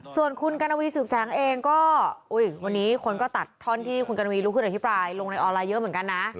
ส่วนคุณกัณวีสืบแสงเองก็วันนี้คนก็ตัดท่อนที่คุณกัณวีลุกขึ้นอภิปรายลงในออนไลน์เยอะเหมือนกันนะ